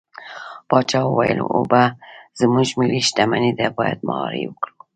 پاچا وويل: اوبه زموږ ملي شتمني ده بايد مهار يې کړو.